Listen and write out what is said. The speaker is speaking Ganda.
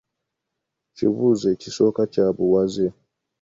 Kibuuzo ekisooka kya buwaze.